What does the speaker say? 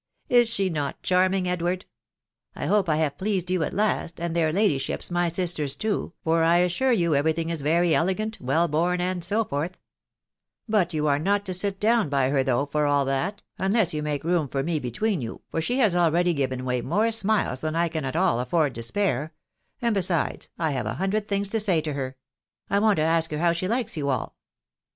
( Is she not charming, Edward ? I hope I have pleased you at last, and their ladyships, my sisters, too •, fat\«8iso3& ^^ «sr^ thing is very elegant, well born, and so totfo. .• /*>sx^«*«^ not to sit down by her though, fox «Bl fck«k,Ma&«» T^ 476 hi widow ba&saby. room for me between you, for she has already given away more smiles than I can at all afford to spare ; and, besides, I bare a hundred things to say to her. ... I want to ask her how aha likes you all."